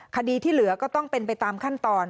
คดีที่เหลือก็ต้องเป็นไปตามขั้นตอน